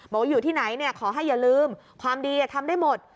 บอกว่าอยู่ที่ไหนขอให้อย่าลืมความดีทำได้หมด